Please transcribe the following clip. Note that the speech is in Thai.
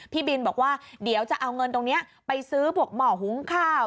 พี่บินบอกว่าเดี๋ยวจะเอาเงินตรงนี้ไปซื้อพวกหมอหุงข้าว